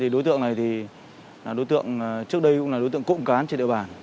đối tượng này là đối tượng trước đây cũng là đối tượng cộng cán trên địa bàn